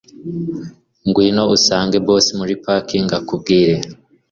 Ngwino usange boss muri parking akubwire